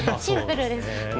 シンプルですね。